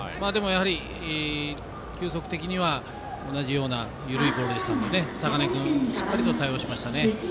やはり球速的には同じような緩いボールでしたので坂根君しっかりと対応しましたね。